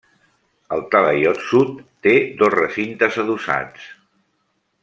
El talaiot sud té dos recintes adossats.